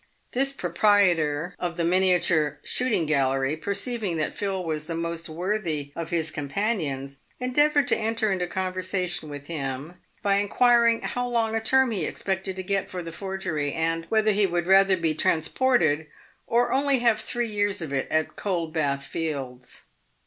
This proprietor of the miniature shooting gallery, perceiving that Phil was the most worthy of his companions, endeavoured to enter into conversation with him, by inquiring how long a term he expected to get for the forgery, and whether he would rather be transported, or only have three years of it at Coldbath fields.